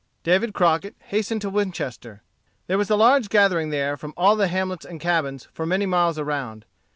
David Crockett hastened to Winchester. There was a large gathering there from all the hamlets and cabins for many miles around.